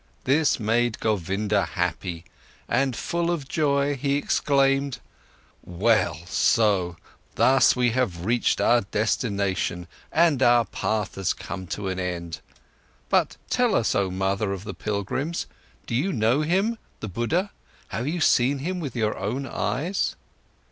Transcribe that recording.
This made Govinda happy, and full of joy he exclaimed: "Well so, thus we have reached our destination, and our path has come to an end! But tell us, oh mother of the pilgrims, do you know him, the Buddha, have you seen him with your own eyes?"